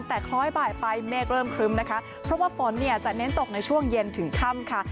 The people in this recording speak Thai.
แต่คล้อยบ่ายไปเมฆเริ่มครึ้มนะคะเพราะว่าฝนเนี่ยจะเน้นตกในช่วงเย็นถึงค่ำค่ะ